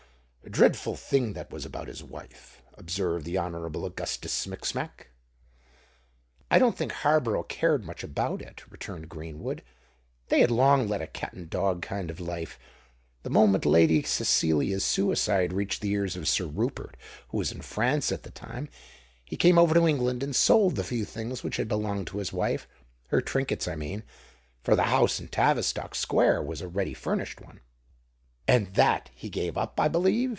"A dreadful thing that was about his wife," observed the Honourable Augustus Smicksmack. "I don't think Harborough cared much about it," returned Greenwood. "They had long led a cat and dog kind of a life. The moment Lady Cecilia's suicide reached the ears of Sir Rupert, who was in France at the time, he came over to England, and sold the few things which had belonged to his wife—her trinkets, I mean; for the house in Tavistock Square was a ready furnished one." "And that he gave up, I believe?"